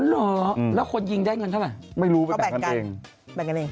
เหรอแล้วคนยิงได้เงินเท่าไหร่ไม่รู้ไปเขาแบ่งกันแบ่งกันเอง